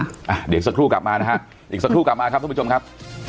เดี๋ยวสักครู่กลับมานะฮะอีกสักครู่กลับมาครับทุกผู้ชมครับ